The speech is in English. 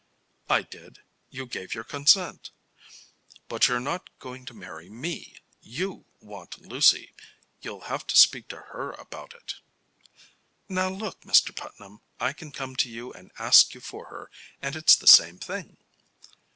"I did. You gave your consent." "But you're not going to marry me. You want Lucy. You'll have to speak to her about it." "Now look, Mr. Putnam, I can come to you and ask you for her, and it's the same thing."